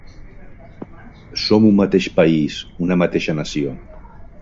Som un mateix país, una mateixa nació.